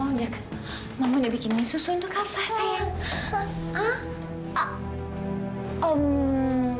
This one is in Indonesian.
ini mama udah bikin susu untuk kava sayang